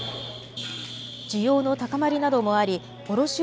需要の高まりなどもあり卸売